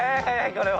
これは。